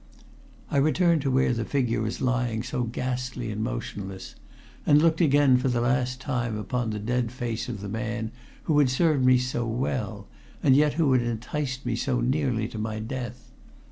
I returned to where the figure was lying so ghastly and motionless, and looked again for the last time upon the dead face of the man who had served me so well, and yet who had enticed me so nearly to my death.